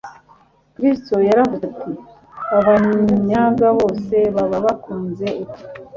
Kristo yaravuze ati : "Abanyanga bose baba bakunze urupfu.'